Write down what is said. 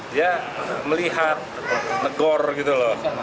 dia melihat negor gitu loh